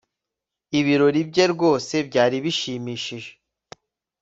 Ibirori bye rwose byari bishimishije